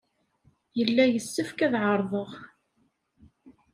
Yella yessefk ad ɛerḍeɣ.